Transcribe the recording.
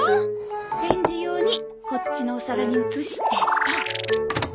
レンジ用にこっちのお皿に移してと。